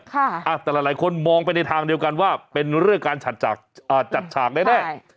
ค่ะอ่ะแต่ละหลายคนมองไปในทางเดียวกันว่าเป็นเรื่องการจัดฉากได้แน่ค่ะ